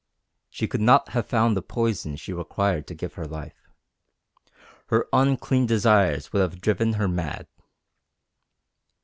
She could not have found the poison she required to give her life. Her unclean desires would have driven her mad.